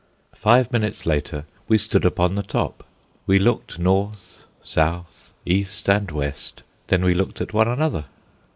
Five minutes later we stood upon the top. We looked north, south, east and west; then we looked at one another.